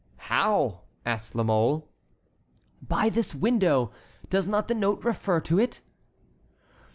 "How?" asked La Mole. "By this window. Does not the note refer to it?"